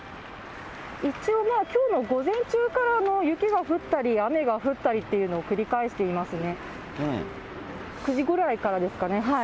一応、きょうの午前中から雪が降ったり雨が降ったりというのを繰り返していますね、９時ぐらいからですかね。